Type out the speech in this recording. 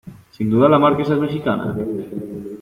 ¿ sin duda la Marquesa es mexicana?